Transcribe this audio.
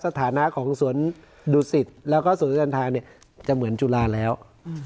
สถานะของสวนดุสิตแล้วก็สวนเดินทางเนี่ยจะเหมือนจุฬาแล้ว